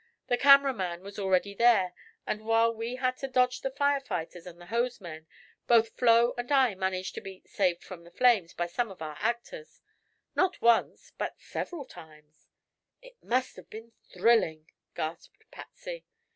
The camera man was already there and, while we had to dodge the fire fighters and the hose men, both Flo and I managed to be 'saved from the flames' by some of our actors not once, but several times." "It must have been thrilling!" gasped Patsy.